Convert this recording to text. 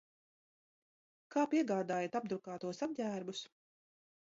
Kā piegādājat apdrukātos apģērbus?